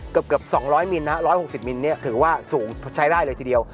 เกือบเกือบสองร้อยมิลนะฮะร้อยหกสิบมิลเนี้ยถือว่าสูงใช้ได้เลยทีเดียว